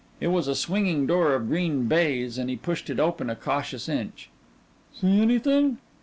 It was a swinging door of green baize and he pushed it open a cautious inch. "See anything?"